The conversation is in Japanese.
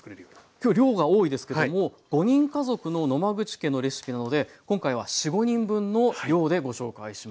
きょう量が多いですけども５人家族の野間口家のレシピなので今回は４５人分の量でご紹介します。